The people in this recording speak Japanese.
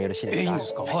えっいいんですか。